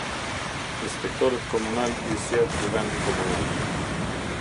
Inspektorët komunalë i zgjedh Kuvendi Komunal.